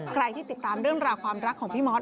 ใครที่ติดตามเรื่องราวความรักของพี่มอส